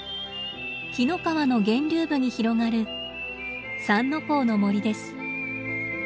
紀の川の源流部に広がる「三之公の森」です。